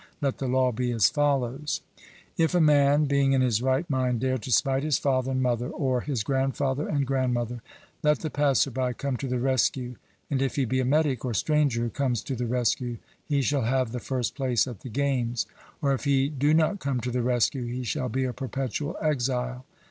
Let the law be as follows: If a man, being in his right mind, dare to smite his father and mother, or his grandfather and grandmother, let the passer by come to the rescue; and if he be a metic or stranger who comes to the rescue, he shall have the first place at the games; or if he do not come to the rescue, he shall be a perpetual exile.